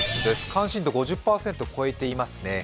関心度５０％を超えていますね。